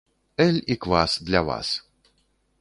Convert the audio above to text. Эль і квас для вас!